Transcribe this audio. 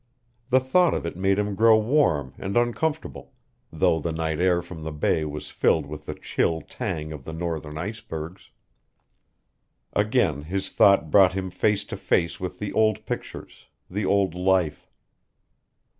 The thought of it made him grow warm and uncomfortable, though the night air from off the Bay was filled with the chill tang of the northern icebergs. Again his thoughts brought him face to face with the old pictures, the old life.